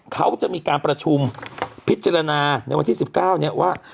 เขาจะมีการประชุมพิจารณาในวันที่๑๙เนี่ยว่า